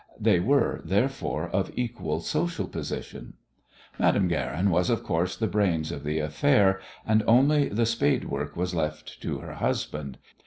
They were, therefore, of equal social position. Madame Guerin was, of course, the brains of the affair, and only the "spade work" was left to her husband.